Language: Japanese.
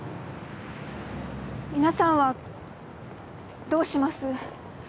皆さんはどうします？